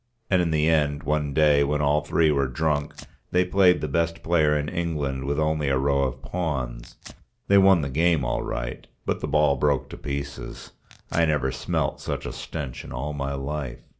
And in the end one day when all three were drunk they played the best player in England with only a row of pawns. They won the game all right. But the ball broke to pieces. I never smelt such a stench in all my life.